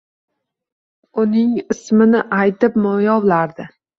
Uning ismini aytib miyovlardi.